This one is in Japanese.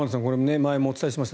前もお伝えしました